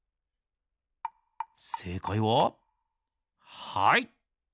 せいかいははい！